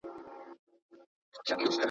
ته د پلار ښکنځل لیکلي وه !.